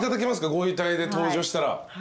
ご遺体で登場したら。